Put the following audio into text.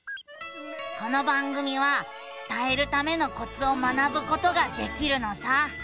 この番組は伝えるためのコツを学ぶことができるのさ。